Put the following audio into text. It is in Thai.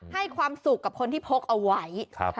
ให้ความสุขกับคนที่พกเอาไว้